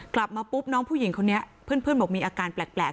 กลับมาปุ๊บน้องผู้หญิงคนนี้เพื่อนบอกมีอาการแปลก